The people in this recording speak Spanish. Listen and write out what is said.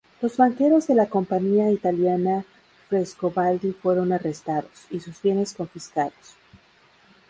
Los banqueros de la compañía italiana Frescobaldi fueron arrestados, y sus bienes confiscados.